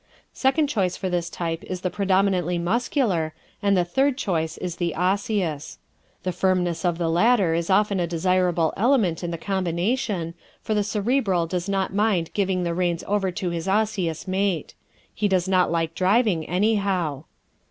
Second choice for this type is the predominantly Muscular and third choice is the Osseous. The firmness of the latter is often a desirable element in the combination, for the Cerebral does not mind giving the reins over to his Osseous mate; he does not like driving anyhow.